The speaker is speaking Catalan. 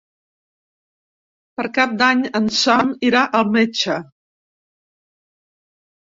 Per Cap d'Any en Sam irà al metge.